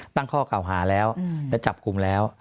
ตั้งข้อเก่าหาแล้วและจับกลุ่มแล้ว